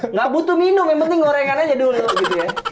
nggak butuh minum yang penting gorengan aja dulu gitu ya